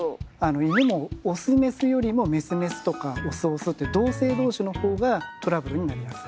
犬もオスメスよりもメスメスとかオスオスって同性同士の方がトラブルになりやすい。